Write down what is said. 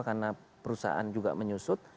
karena perusahaan juga menyusut